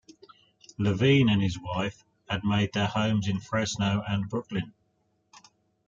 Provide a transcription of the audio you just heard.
Levine and his wife had made their homes in Fresno and Brooklyn.